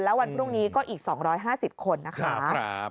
แล้ววันพรุ่งนี้ก็อีก๒๕๐คนนะคะ